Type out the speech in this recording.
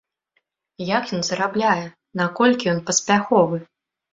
Як ён зарабляе, наколькі ён паспяховы?